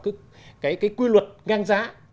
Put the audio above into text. cái quy luật ngang giá